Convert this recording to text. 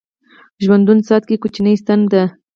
ژوندون ساعت کې کوچنۍ ستن ده